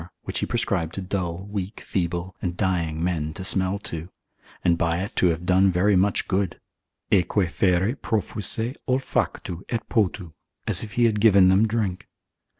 which he prescribed to dull, weak, feeble, and dying men to smell to, and by it to have done very much good, aeque fere profuisse olfactu, et potu, as if he had given them drink.